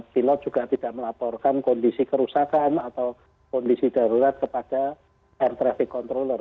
pilot juga tidak melaporkan kondisi kerusakan atau kondisi darurat kepada air traffic controller